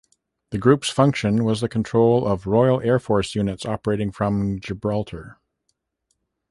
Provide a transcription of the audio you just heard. The Group's function was the control of Royal Air Force units operating from Gibraltar.